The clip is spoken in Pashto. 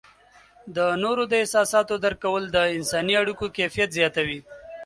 د نورو د احساساتو درک کول د انسانی اړیکو کیفیت زیاتوي.